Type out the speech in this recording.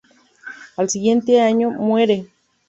Al siguiente año muere.